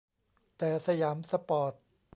แต่ สยามสปอร์ต